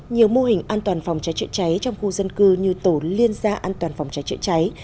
nhiều mô hình an toàn phòng cháy chữa cháy trong khu dân cư như tổ liên gia an toàn phòng cháy chữa cháy